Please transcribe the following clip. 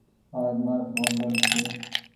آج مآر ڦون بند ڇي